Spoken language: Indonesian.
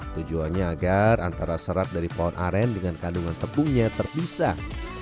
tujuannya agar antara serat dari pohon aren dengan kandungan tepungnya terpisah